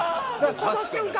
その瞬間